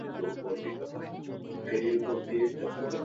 যদি তোমাদের সন্দেহ হয় তাঁহাকে গিয়া জিজ্ঞাসা কর।